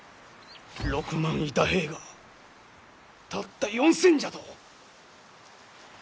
６万いた兵がたった４，０００じゃと！？